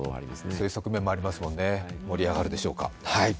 政策面もありますもんね盛り上がるでしょうか。